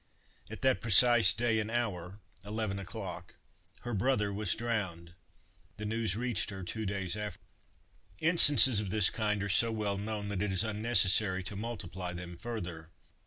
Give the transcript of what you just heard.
At that precise day and hour, eleven o'clock, her brother was drowned. The news reached her two days afterward. Instances of this kind are so well known that it is unnecessary to multiply them further.